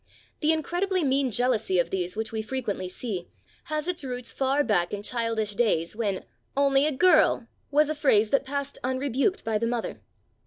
The incredibly mean jealousy of these which we frequently see, has its roots far back in childish days when "only a girl" was a phrase that passed unrebuked by the mother.